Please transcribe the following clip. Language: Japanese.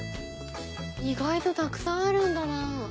意外とたくさんあるんだな。